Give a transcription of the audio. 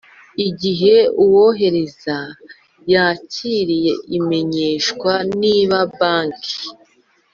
Igihe uwohereza yakiriye imenyeshwa niba banki